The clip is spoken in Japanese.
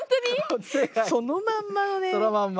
そのまんま。